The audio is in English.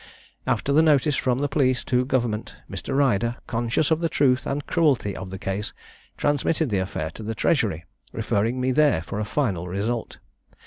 "After the notice from the police to government, Mr. Ryder, conscious of the truth and cruelty of the case, transmitted the affair to the Treasury, referring me there for a final result.